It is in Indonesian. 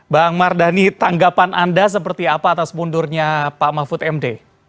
bang mardhani tanggapan anda seperti apa atas mundurnya pak mahfud md